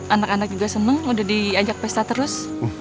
anak anak juga seneng udah diajak pesta terus